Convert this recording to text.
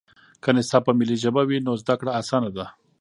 که نصاب په ملي ژبه وي نو زده کړه اسانه ده.